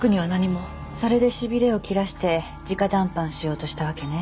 それでしびれを切らして直談判しようとしたわけね。